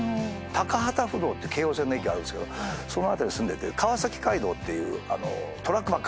高幡不動って京王線の駅あるけどその辺りに住んでて川崎街道っていう。